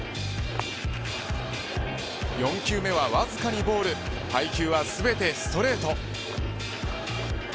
４球目はわずかにボール配球は全てストレート。